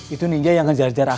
itu ninja yang ngejar jar akang